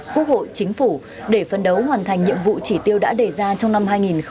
quốc hội chính phủ để phân đấu hoàn thành nhiệm vụ chỉ tiêu đã đề ra trong năm hai nghìn hai mươi